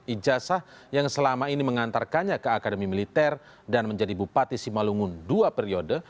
ijazah yang selama ini mengantarkannya ke akademi militer dan menjadi bupati simalungun dua periode